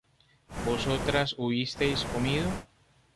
¿vosotras hubisteis comido?